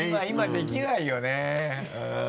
今できないよね？